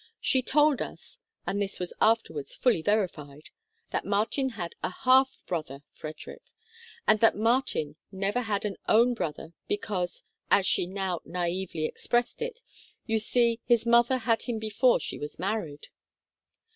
She told us (and this was afterwards fully verified) that Martin had a half brother Frederick, and that Martin never had an own brother "because," as she now naively expressed it, "you see, his mother had him before she was married."